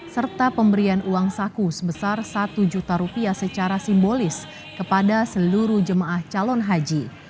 serta pemberian uang saku sebesar satu juta rupiah secara simbolis kepada seluruh jemaah calon haji